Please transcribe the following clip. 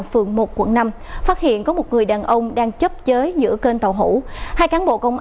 phường một quận năm phát hiện có một người đàn ông đang chấp chới giữa kênh tàu hủ hai cán bộ công